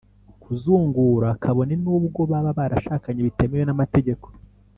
kuzungura, kabone n'ubwo baba barashakanye bitemewe n'amategeko